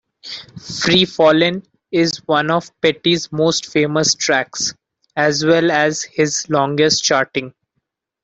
"Free Fallin'" is one of Petty's most famous tracks, as well as his longest-charting.